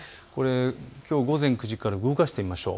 午前９時から動かしてみましょう。